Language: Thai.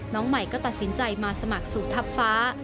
น้องใหม่ก็ตัดสินใจมาสมัครสู่ทัพฟ้า